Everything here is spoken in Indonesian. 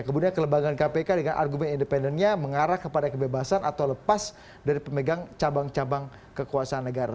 kemudian kelembagaan kpk dengan argumen independennya mengarah kepada kebebasan atau lepas dari pemegang cabang cabang kekuasaan negara